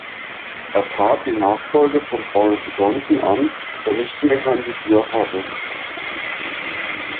Er trat die Nachfolge von Boris Johnson an, der nicht mehr kandidiert hatte.